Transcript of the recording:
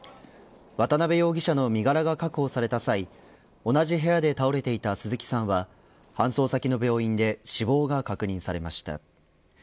渡辺容疑者の身柄が確保された際同じ部屋で倒れていた鈴木さんは搬送先の病院で死亡が確認されました。